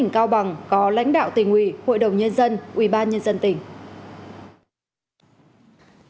cao bằng có lãnh đạo tỉnh ủy hội đồng nhân dân ubnd tỉnh